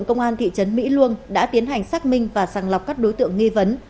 công an thị trấn mỹ luông đã tiến hành xác minh và sàng lọc các đối tượng nghi vấn